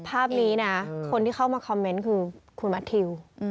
ภาพนี้นะคนที่เข้ามาคอมเมนต์คือคุณแมททิว